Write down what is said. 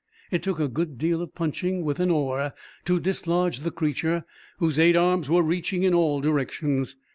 It took a deal of punching with an oar to dislodge the creature, whose eight arms were reaching in all directions.